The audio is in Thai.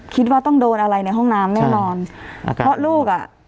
คิดว่าต้องแล้วอะไรในห้องน้ำแล้วอ่ะลูกอ่ะ